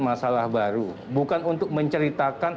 masalah baru bukan untuk menceritakan